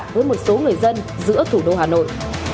với một số người dân giữa thủ đô hà nội